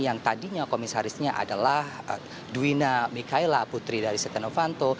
yang tadinya komisarisnya adalah duwina mikaela putri dari setenovanto